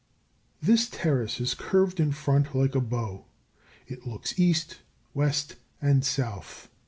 This Terrace is curved in front like a bow; it looks east, west, and south.